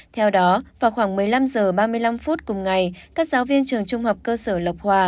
theo đó vào khoảng một mươi năm h ba mươi năm phút cùng ngày các giáo viên trường trung học cơ sở lộc hòa